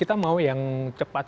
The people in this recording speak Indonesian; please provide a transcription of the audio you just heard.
kita mau yang cepat